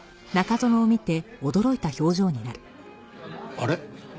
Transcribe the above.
あれ？